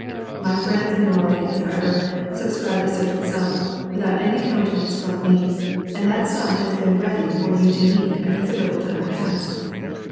My friends in New Orleans, however, subscribed a certain sum, without any countenance from me, and that sum has been ready for you to meet a considerable time past.